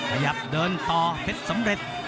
ขยับเดินต่อเพชรสำเร็จ